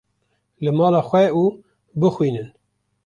li mala xwe û bixwînin.